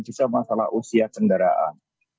kemudian juga masalah usia kendaraan